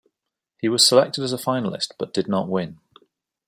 He was selected as a finalist but did not win.